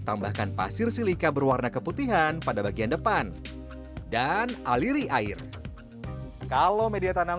tambahkan pasir silika berwarna keputihan pada bagian depan dan aliri air kalau media tanam